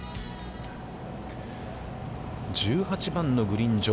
１８番のグリーン上。